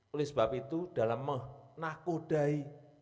oleh sebab itu dalam menakodai